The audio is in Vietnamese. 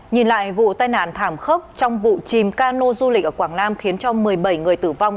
nhìn lại vụ tai nạn thảm khốc trong vụ chìm cano du lịch ở quảng nam khiến cho một mươi bảy người tử vong